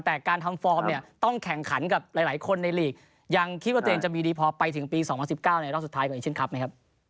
แต่การทำฟอร์มเนี่ยต้องแข่งขันกับหลายคนในลีกยังคิดว่าตัวเองจะมีดีพอไปถึงปี๒๐๑๙ในรอบสุดท้ายของเอเชียนคลับไหมครับ